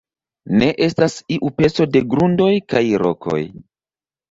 Ne estas iu peco de grundoj kaj rokoj.